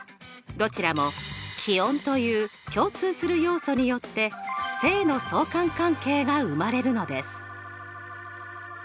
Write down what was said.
どちらも気温という共通する要素によって正の相関関係が生まれるのです。